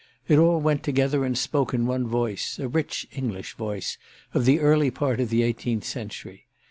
It all went together and spoke in one voice—a rich English voice of the early part of the eighteenth century.